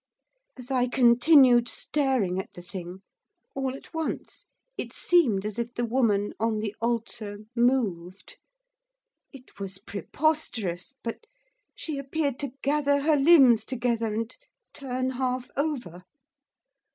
As I continued staring at the thing, all at once it seemed as if the woman on the altar moved. It was preposterous, but she appeared to gather her limbs together, and turn half over.